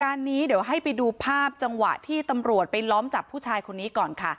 นี้เดี๋ยวให้ไปดูภาพจังหวะที่ตำรวจไปล้อมจับผู้ชายคนนี้ก่อนค่ะ